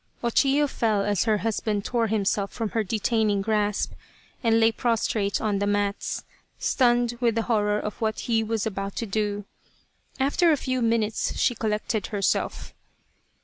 O Chiyo fell as her husband tore himself from her detaining grasp, and lay prostrate on the mats, stunned with the horror of what he was about to do. After a few minutes she collected herself.